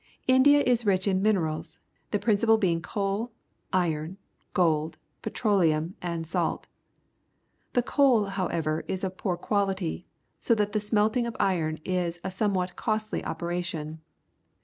India is rich in minerals, the principal being coal, iron, ggld^ pfitCQleumj and salt. The coal, however, is of poor quaUtj', so that the smelting of iron is a somewhat cost ly operation.